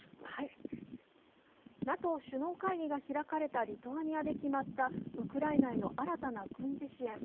ＮＡＴＯ首脳会議が開かれたリトアニアで決まったウクライナへの新たな軍事支援。